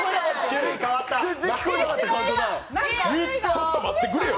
ちょっと待ってくれよ！